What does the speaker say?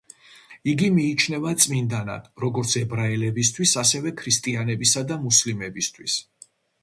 იგი მიიჩნევა წმინდად როგორც ებრაელებისთვის, ასევე ქრისტიანებისა და მუსლიმებისთვის.